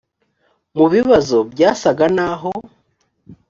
mu bibazo byasaga n aho